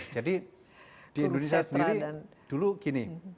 jadi di indonesia sendiri dulu gini